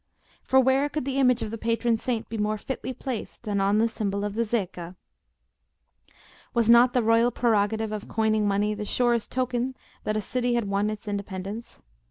For where could the image of the patron saint be more fitly placed than on the symbol of the Zecca? Was not the royal prerogative of coining money the surest token that a city had won its independence?